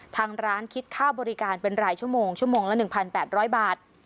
ทางร้านคิดค่าบริการเป็นรายชั่วโมงชั่วโมงละ๑๘๐๐บาท